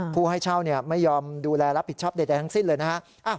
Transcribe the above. ผู้ให้เช่าไม่ยอมดูแลรับผิดชอบใดทั้งสิ้นเลยนะฮะ